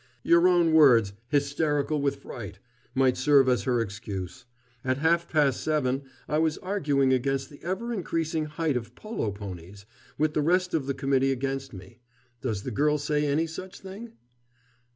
"Your own words 'hysterical with fright' might serve as her excuse. At half past seven I was arguing against the ever increasing height of polo ponies, with the rest of the committee against me. Does the girl say any such thing?"